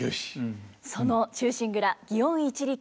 その「忠臣蔵園一力茶屋」